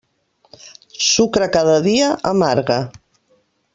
Sucre cada dia, amarga.